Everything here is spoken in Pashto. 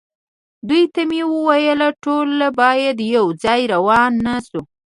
دوی ته مې وویل: ټول باید یو ځای روان نه شو.